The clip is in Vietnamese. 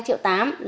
khi thu thu về